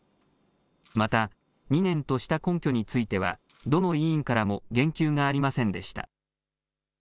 また２年とした根拠についてはどの委員からも言及がありませんでした。